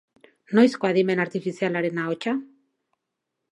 Noizko adimen artifizialaren ahotsa?